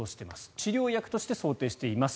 治療薬として想定しています。